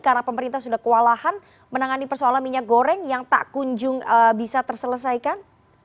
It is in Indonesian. karena pemerintah sudah kewalahan menangani persoalan minyak goreng yang tak kunjung bisa terselesaikan